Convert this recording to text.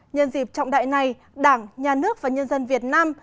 nhân dịp trọng đại này đảng nhà nước và nhân dân việt nam